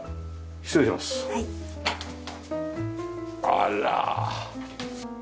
あら。